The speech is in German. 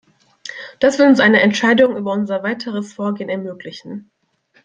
Das wird uns eine Entscheidung über unser weiteres Vorgehen ermöglichen.